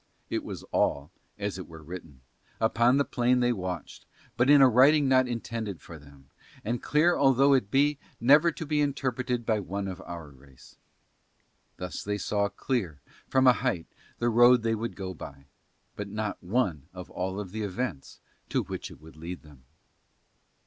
It was all, as it were written, upon the plain they watched, but in a writing not intended for them, and, clear although it be, never to be interpreted by one of our race. Thus they saw clear, from a height, the road they would go by, but not one of all the events to which it would lead them.